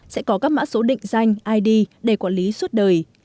sẽ có các mã số định danh id để quản lý suốt đời